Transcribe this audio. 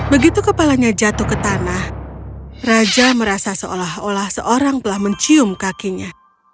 begitu kepalanya jatuh ke tanah raja merasa seolah olah seorang telah mencium kakinya